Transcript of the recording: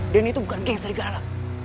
itu bukan geng serigala